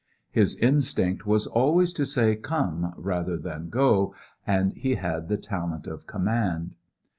His instinct was always to say "come" rather than "go," and he had the talent of command.